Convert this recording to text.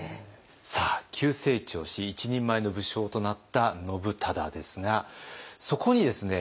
さあ急成長し一人前の武将となった信忠ですがそこにですね